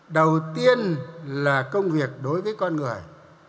đầu tiên là công việc đối với con người